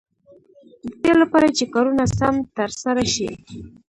د دې لپاره چې کارونه سم تر سره شي.